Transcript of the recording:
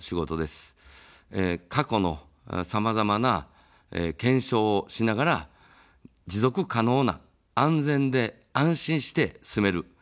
過去のさまざまな検証をしながら持続可能な安全で安心して住める日本をつくる。